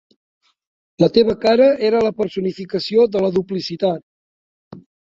La teva cara era la personificació de la duplicitat.